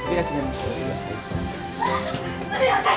すみません！